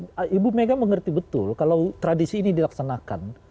saya kira mbak mega mengerti betul kalau tradisi ini dilaksanakan